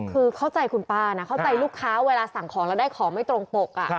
คือเข้าใจคุณป้านะเข้าใจลูกค้าเวลาสั่งของแล้วได้ของไม่ตรงปก